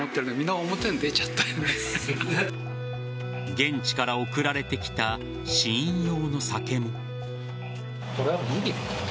現地から送られてきた試飲用の酒も。